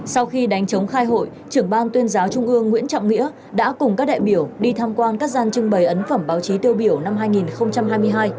sau khi đánh chống khai hội trưởng ban tuyên giáo trung ương nguyễn trọng nghĩa đã cùng các đại biểu đi tham quan các gian trưng bày ấn phẩm báo chí tiêu biểu năm hai nghìn hai mươi hai